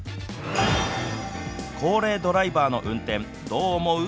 高齢ドライバーの運転どう思う。